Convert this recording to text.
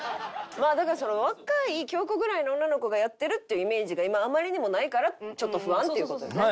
まあだからその若い京子ぐらいの女の子がやってるっていうイメージが今あまりにもないからちょっと不安って事よね。